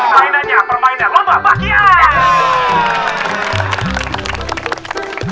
permainannya permainan lomba bakian